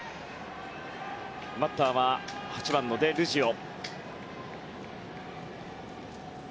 バッターは８番のデルジオ。